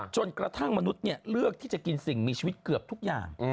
จนกระทั่งมนุษย์เลือกที่จะกินสิ่งมีชีวิตเกือบทุกอย่าง